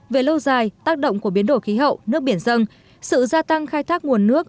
về lâu dài tác động của biến đổi khí hậu nước biển dân sự gia tăng khai thác nguồn nước